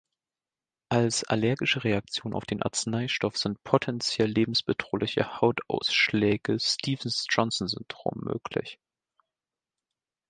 Als allergische Reaktion auf den Arzneistoff sind potenziell lebensbedrohliche Hautausschläge Stevens-Johnson-Syndrom möglich.